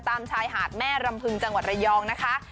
ตามชายหาดแม่รำพึงจังหวัดระยองนะคะ